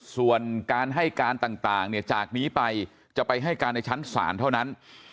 ส่วนการให้การต่างเนี่ยจากนี้ไปจะไปให้การในชั้นศาลเท่านั้น